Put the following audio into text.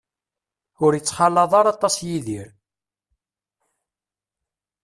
Ur ittxalaḍ ara aṭas Yidir.